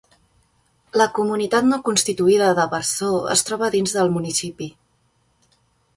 La comunitat no constituïda de Warsaw es troba dins del municipi.